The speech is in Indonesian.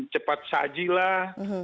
cepat saji lah